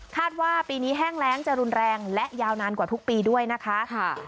ว่าปีนี้แห้งแรงจะรุนแรงและยาวนานกว่าทุกปีด้วยนะคะ